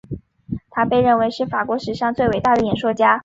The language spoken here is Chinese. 他被认为是法国史上最伟大的演说家。